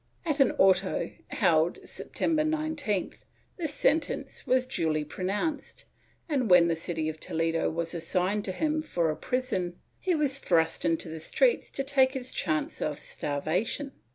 At an auto held, September 19th, this sentence was duly pronounced and, when the city of Toledo was assigned to him for a prison, he was thrust into the streets to take his chance of starvation.